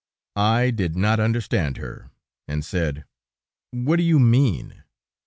I did not understand her, and said: "What do you mean?"